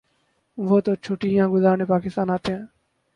وہ تو چھٹیاں گزارنے پاکستان آتے ہیں۔